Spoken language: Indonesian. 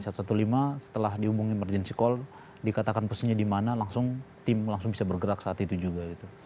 di satu ratus lima belas setelah dihubungi emergency call dikatakan posisinya dimana langsung tim langsung bisa bergerak saat itu juga gitu